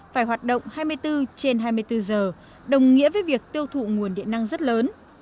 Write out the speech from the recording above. phải hoạt động hai mươi bốn trên hai mươi bốn giờ đồng nghĩa với việc tiêu thụ nguồn điện năng rất lớn